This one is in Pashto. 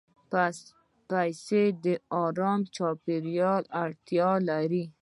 پسه د آرام چاپېریال اړتیا لري.